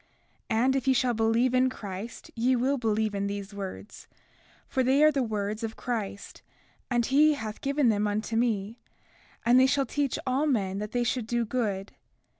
And if ye shall believe in Christ ye will believe in these words, for they are the words of Christ, and he hath given them unto me; and they teach all men that they should do good.